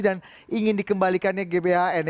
dan ingin dikembalikannya gbhn